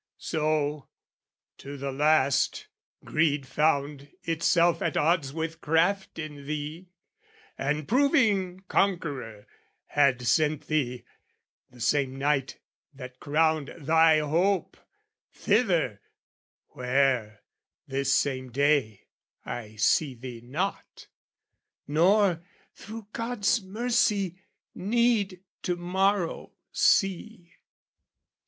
So, to the last, greed found itself at odds With craft in thee, and, proving conqueror, Had sent thee, the same night that crowned thy hope, Thither where, this same day, I see thee not, Nor, through God's mercy, need, to morrow, see.